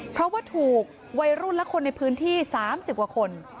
เพราะว่าถูกวัยรุ่นและคนในพื้นที่๓๐กว่าคน